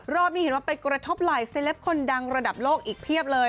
นี้เห็นว่าไปกระทบหลายเซลปคนดังระดับโลกอีกเพียบเลย